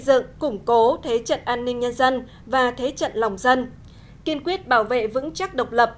dựng củng cố thế trận an ninh nhân dân và thế trận lòng dân kiên quyết bảo vệ vững chắc độc lập